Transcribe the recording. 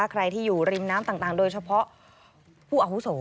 ใครที่อยู่ริมน้ำต่างโดยเฉพาะผู้อาวุโส